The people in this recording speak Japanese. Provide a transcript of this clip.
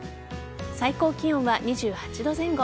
最高気温は２８度前後。